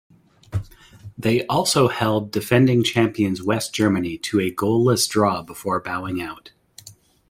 They also held defending champions West Germany to a goalless draw before bowing out.